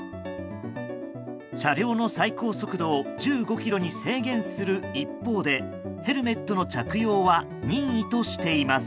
車両の最高速度を１５キロに制限する一方でヘルメットの着用は任意としています。